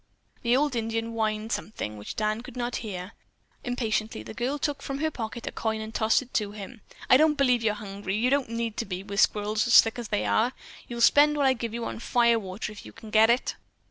The old Indian whined something, which Dan could not hear. Impatiently the girl took from her pocket a coin and tossed it to him. "I don't believe you're hungry. You don't need to be, with squirrels as thick as they are. You'll spend all I give you on fire water, if you can get it."